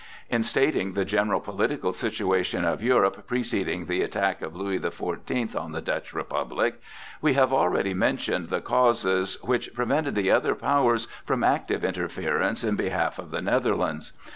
In stating the general political situation of Europe preceding the attack of Louis the Fourteenth on the Dutch Republic, we have already mentioned the causes which prevented the other powers from active interference in behalf of the Netherlands.